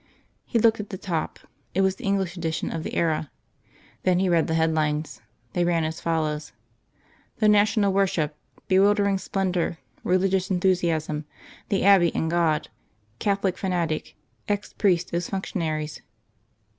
He looked at the top. It was the English edition of the Era. Then he read the headlines. They ran as follows: "THE NATIONAL WORSHIP. BEWILDERING SPLENDOUR. RELIGIOUS ENTHUSIASM. THE ABBEY AND GOD. CATHOLIC FANATIC. EX PRIESTS AS FUNCTIONARIES."